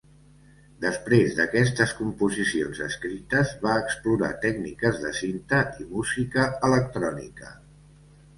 Després d'aquestes composicions escrites, va explorar tècniques de cinta i música electrònica.